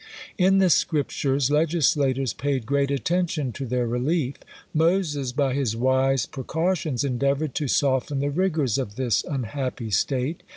In the scriptures, legislators paid great attention to their relief. Moses, by his wise precautions, endeavoured to soften the rigours of this unhappy state.